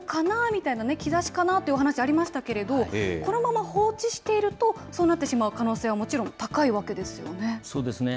みたいな、兆しかなというお話ありましたけれども、このまま放置していると、そうなってしまう可能性はもちろん高いわけですよね。